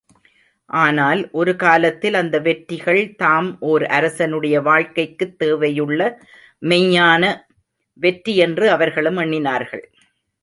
ஆனால், ஒரு காலத்தில் அந்த வெற்றிகள்தாம் ஓர் அரசனுடைய வாழ்க்கைக்குத் தேவையுள்ள மெய்யான வெற்றி என்று அவர்களும் எண்ணினார்கள்.